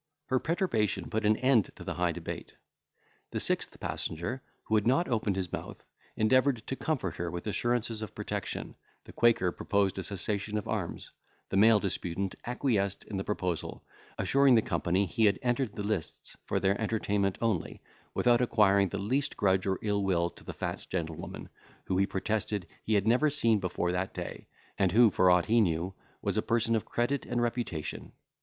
Her perturbation put an end to the high debate. The sixth passenger, who had not opened his mouth, endeavoured to comfort her with assurances of protection; the quaker proposed a cessation of arms; the male disputant acquiesced in the proposal, assuring the company he had entered the lists for their entertainment only, without acquiring the least grudge or ill will to the fat gentlewoman, whom he protested he had never seen before that day, and who, for aught he knew, was a person of credit and reputation.